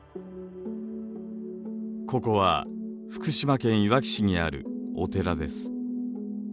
ここは福島県いわき市にあるお寺です。